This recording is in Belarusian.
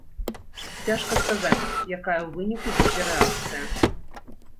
Цяжка сказаць, якая ў выніку будзе рэакцыя.